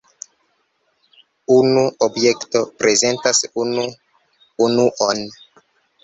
Unu objekto prezentas unu unuon.